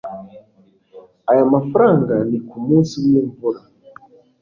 aya mafranga ni kumunsi wimvura